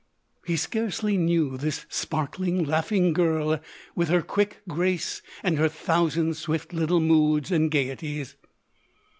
He scarcely knew this sparkling, laughing girl with her quick grace and her thousand swift little moods and gaieties.